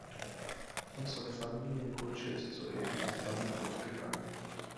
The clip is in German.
Unsere Familienkutsche ist soeben in Flammen aufgegangen.